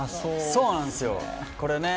そうなんですよ。